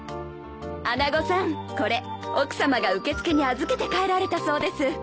穴子さんこれ奥さまが受付に預けて帰られたそうです。